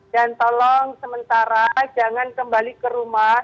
dan tolong sementara jangan kembali ke rumah